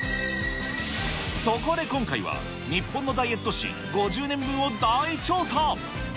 そこで今回は、日本のダイエット史５０年分を大調査。